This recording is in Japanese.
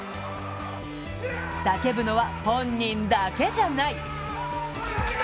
叫ぶのは本人だけじゃない。